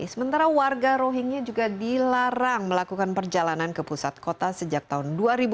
sementara warga rohingya juga dilarang melakukan perjalanan ke pusat kota sejak tahun dua ribu